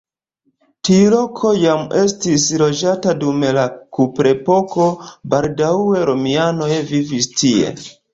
Tiu loko jam estis loĝata dum la kuprepoko, baldaŭe romianoj vivis tie.